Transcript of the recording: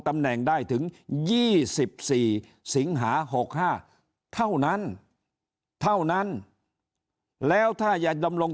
ตำแหน่งได้ถึง๒๔สิงหา๖๕เท่านั้นเท่านั้นแล้วถ้าจะดำรง